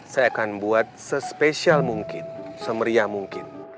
saya akan buat sespecial mungkin semeriah mungkin